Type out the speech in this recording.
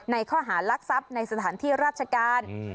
ในข้อหารลักษับในสถานที่ราชการ